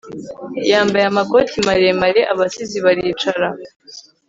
yambaye amakoti maremare, abasizi baricara